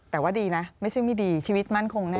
แต่ว่าดีนะไม่ใช่ไม่ดีชีวิตมั่นคงแน่